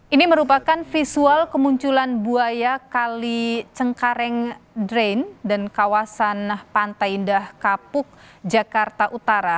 ini merupakan visual kemunculan buaya kali cengkareng drain dan kawasan pantai indah kapuk jakarta utara